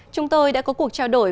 chúng tôi đã có cuộc trao đổi